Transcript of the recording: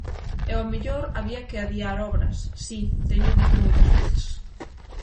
E ao mellor había que adiar obras, si, téñoo dito moitas veces.